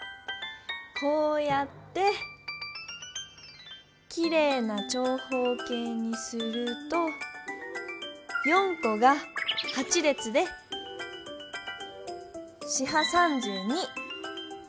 こうやってきれいな長方形にすると４こが８れつで４×８＝３２。